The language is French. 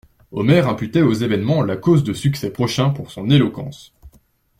Omer imputait aux événements la cause de succès prochains pour son éloquence.